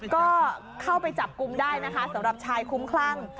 ก็เข้าไปจับกลุ่มได้นะคะสำหรับชายคุ้มคลั่ง